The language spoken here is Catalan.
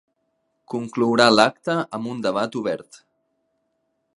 Conclourà l’acte amb un debat obert.